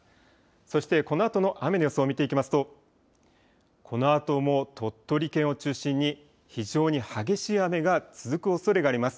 そしてこのあとの雨の予想を見ていきますとこのあとも鳥取県を中心に非常に激しい雨が続くおそれがあります。